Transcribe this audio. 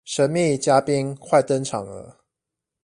神祕嘉賓快登場了